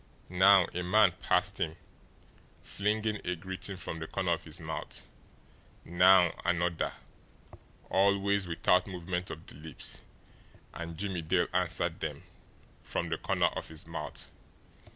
Now a man passed him, flinging a greeting from the corner of his mouth; now another, always without movement of the lips and Jimmie Dale answered them from the corner of his mouth.